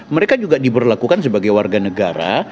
mereka juga diberlakukan sebagai warga negara